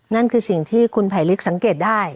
นั่นคือสิ่งที่คุณไผลลิกสังเกตได้